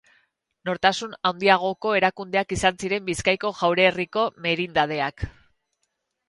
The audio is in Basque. Nortasun handiagoko erakundeak izan ziren Bizkaiko jaurerriko merindadeak.